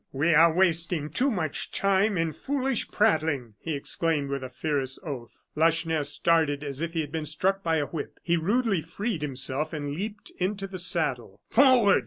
"We are wasting too much time in foolish prattling," he exclaimed with a fierce oath. Lacheneur started as if he had been struck by a whip. He rudely freed himself and leaped into the saddle. "Forward!"